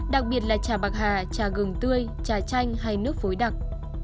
đặc biệt là trà bạc hà trà gừng tươi trà chanh hay nước phối đặc